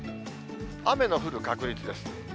雨の降る確率です。